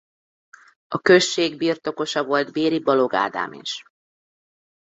A község birtokosa volt Béri Balogh Ádám is.